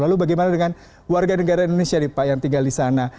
lalu bagaimana dengan warga negara indonesia nih pak yang tinggal di sana